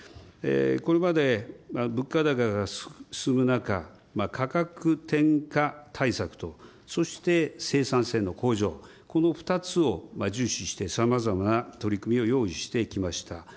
これまで物価高が進む中、価格転嫁対策と、そして生産性の向上、この２つを重視してさまざまな取り組みを用意してきました。